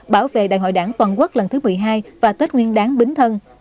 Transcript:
bảo vệ đại hội đảng toàn quốc lần thứ một mươi hai và tết nguyên đáng bính thân